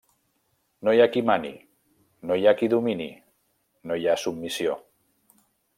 No hi ha qui mani, no hi ha qui domini, no hi ha submissió.